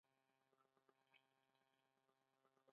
لرګی د بسترې سر جوړوي.